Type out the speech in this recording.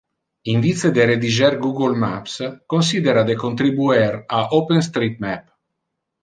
In vice de rediger Google Maps, considera de contribuer a OpenStreetMap.